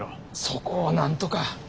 そこをなんとか。